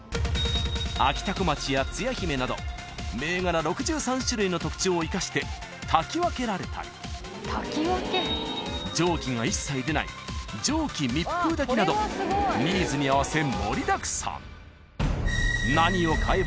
［あきたこまちやつや姫など銘柄６３種類の特徴を生かして炊き分けられたり蒸気が一切出ない蒸気密封炊きなどニーズに合わせ盛りだくさん］